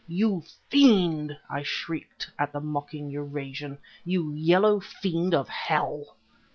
"You fiend!" I shrieked at the mocking Eurasian, "you yellow fiend of hell!"